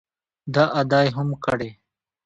دا ادعا یې هم کړې